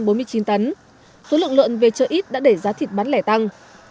tuy nhiên số lượng lợn về chợ ít đã để giá thịt bán lẻ tăng